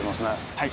はい。